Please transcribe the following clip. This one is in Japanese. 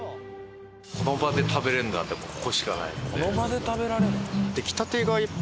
この場で食べられるのはここしかないので。